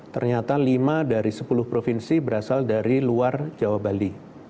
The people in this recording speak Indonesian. ternyata lima dari sepuluh provinsi berasal dari luar jawa bali